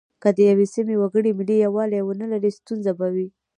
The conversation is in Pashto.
که د یوې سیمې وګړي ملي یووالی ونه لري ستونزه به وي.